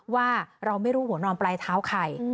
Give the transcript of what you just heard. ว่าเราไม่รู้หัวนอนปลายเท้าใคร